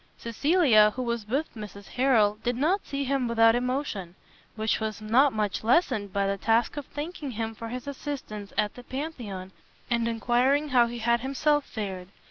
Cecilia, who was with Mrs Harrel, did not see him without emotion; which was not much lessened by the task of thanking him for his assistance at the Pantheon, and enquiring how he had himself fared.